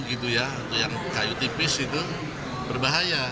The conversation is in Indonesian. untuk yang kayu tipis itu berbahaya